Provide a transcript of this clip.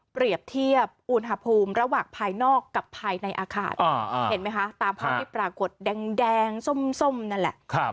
เปรียบเทียบอุณหภูมิระหว่างภายนอกกับภายในอาคารเห็นไหมคะตามภาพที่ปรากฏแดงส้มนั่นแหละ